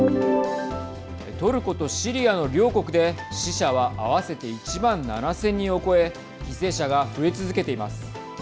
トルコとシリアの両国で死者は合わせて１万７０００人を超え犠牲者が増え続けています。